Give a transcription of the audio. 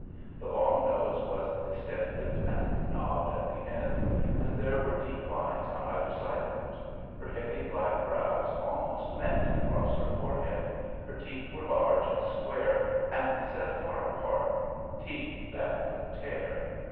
The long nose was distended and knobbed at the end, and there were deep lines on either side of it; her heavy, black brows almost met across her forehead, her teeth were large and square, and set far apart teeth that could tear.